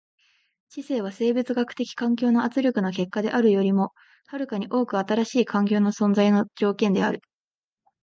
知性は生物学的環境の圧力の結果であるよりも遥かに多く新しい環境の存在の条件である。